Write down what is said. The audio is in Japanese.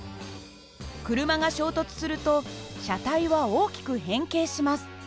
車が衝突すると車体は大きく変形します。